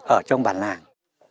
ở trong bản làng